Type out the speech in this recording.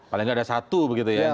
paling tidak ada satu begitu ya